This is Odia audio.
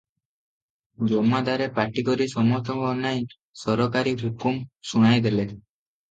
ଜମାଦାରେ ପାଟି କରି ସମସ୍ତଙ୍କୁ ଅନାଇ ସରକାରୀ ହୁକୁମ ଶୁଣାଇ ଦେଲେ ।